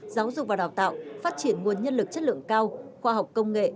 giáo dục và đào tạo phát triển nguồn nhân lực chất lượng cao khoa học công nghệ